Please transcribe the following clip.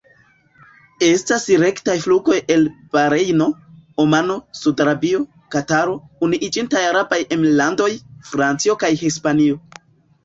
Estas rektaj flugoj al Barejno, Omano, Saud-Arabio, Kataro, Unuiĝintaj Arabaj Emirlandoj, Francio kaj Hispanio.